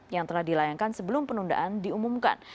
yang telah dilayangkan sebelum penundaan diumumkan